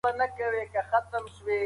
کمپيوټر فايلونه اَنکمپريسوي.